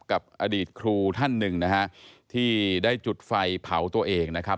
กับอดีตครูท่านหนึ่งนะฮะที่ได้จุดไฟเผาตัวเองนะครับ